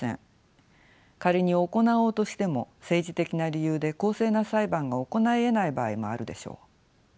仮に行おうとしても政治的な理由で公正な裁判が行いえない場合もあるでしょう。